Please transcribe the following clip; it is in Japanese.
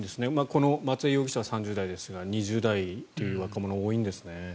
この松江容疑者は３０代ですが２０代という若者が多いんですね。